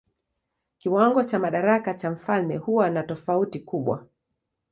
Kiwango cha madaraka cha mfalme huwa na tofauti kubwa.